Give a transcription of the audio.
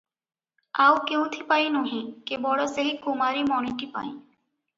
ଆଉ କେଉଁଥିପାଇଁ ନୁହେଁ, କେବଳ ସେହି କୁମାରୀ ମଣିଟି ପାଇଁ ।